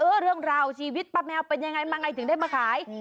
เรื่องราวชีวิตป้าแมวเป็นยังไงมาไงถึงได้มาขาย